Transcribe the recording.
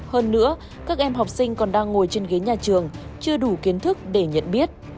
hơn nữa các em học sinh còn đang ngồi trên ghế nhà trường chưa đủ kiến thức để nhận biết